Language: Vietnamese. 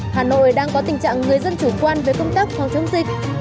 hà nội đang có tình trạng người dân chủ quan với công tác phòng chống dịch